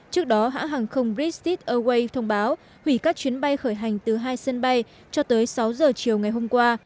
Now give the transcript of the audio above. trước đó hãng hàng không bristit auwaii thông báo hủy các chuyến bay khởi hành từ hai sân bay cho tới sáu giờ chiều ngày hôm qua